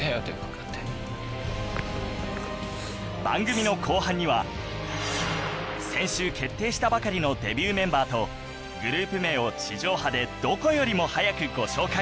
番組の後半には先週決定したばかりのデビューメンバーとグループ名を地上波でどこよりも早くご紹介